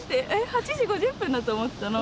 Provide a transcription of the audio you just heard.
８時５０分だと思ってたの。